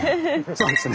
そうですね。